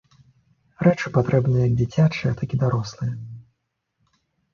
Рэчы патрэбныя як дзіцячыя, так і дарослыя.